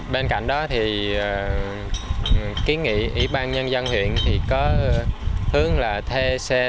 bên cạnh đó ký nghị ủy ban nhân dân huyện có hướng là thê